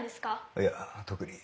いや特に。